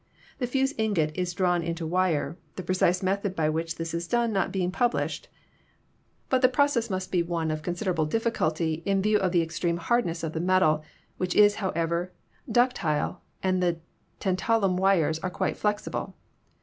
The fused ingot is drawn into wire, the precise method by which this is done not being pub lished, but the process must be one of considerable dif HISTORY OF ELECTRIC LIGHTING 245 ficulty in view of the extreme hardness of the metal, which is, however, ductile and the tantalum wires are quite flex ible.